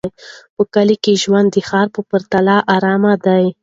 په کلي کې ژوند د ښار په پرتله ارام دی.